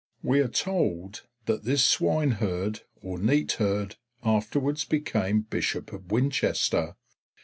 We are told that this swineherd or neatherd afterwards became Bishop of Winchester.